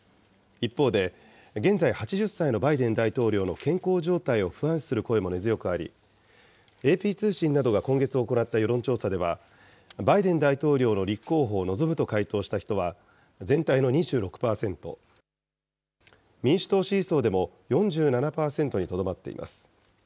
一方で、現在８０歳のバイデン大統領の健康状態を不安視する声も根強くあり、ＡＰ通信などが今月行った世論調査では、バイデン大統領の立候補を望むと回答した人は全体の２６％、民主党支持層でも４７％にとどまっています。